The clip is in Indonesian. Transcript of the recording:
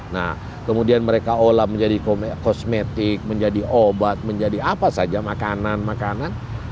nah kemudian mereka olah menjadi kosmetik menjadi obat menjadi apa saja makanan makanan